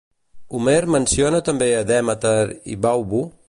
Homer menciona també a Demèter i Baubo?